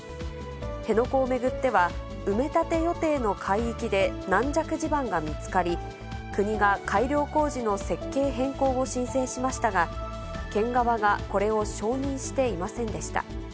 辺野古を巡っては、埋め立て予定の海域で軟弱地盤が見つかり、国が改良工事の設計変更を申請しましたが、県側がこれを承認していませんでした。